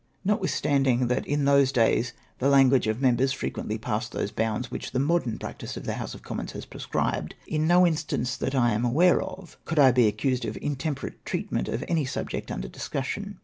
N^otwithstanding that in those days the language of members frequently passed those bounds which the modern practice of the House of Commons has prescribed, in no instance, that I am aware of, could I be accused of intemperate treatment of any subject under discussion.